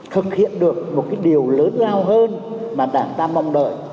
thực hiện được một cái điều lớn lao hơn mà đảng ta mong đợi